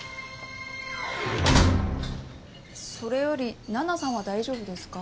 それより七菜さんは大丈夫ですか？